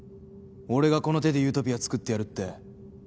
俺がこの手でユートピア作ってやるって。